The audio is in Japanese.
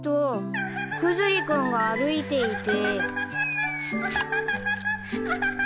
クズリ君が歩いていて。